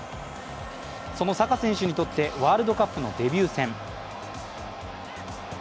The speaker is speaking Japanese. そのサカ選手にとって、ワールドカップのデビュー戦。